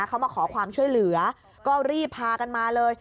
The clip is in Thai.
เขามาขอความช่วยเหลือก็รีบพากันมาเลย